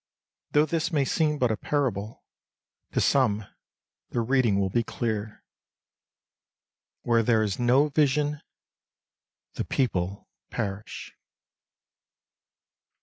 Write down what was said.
Though this may seem but a parable, to some the reading will be clear: Where there is no vision, the people perish.